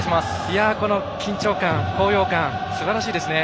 緊張感、高揚感すばらしいですね。